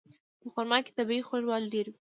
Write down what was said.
په خرما کې طبیعي خوږوالی ډېر وي.